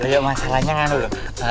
lo yuk masalahnya kan dulu